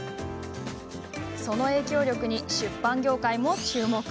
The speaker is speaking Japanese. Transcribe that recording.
その影響力に出版業界も注目。